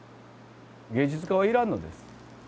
芸術家はいらんのです。